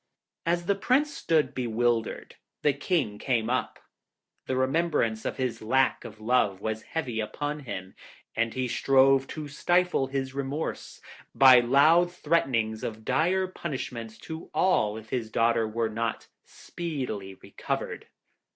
As the Prince stood bewildered, the King came up. The remembrance of his lack of love was heavy upon him, and he strove to stifle his remorse by loud threatenings of dire punishment to all if his daughter were not speedily recovered.